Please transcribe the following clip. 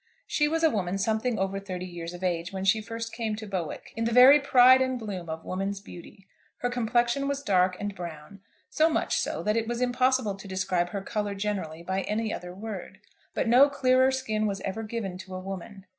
She was a woman something over thirty years of age when she first came to Bowick, in the very pride and bloom of woman's beauty. Her complexion was dark and brown, so much so, that it was impossible to describe her colour generally by any other word. But no clearer skin was ever given to a woman.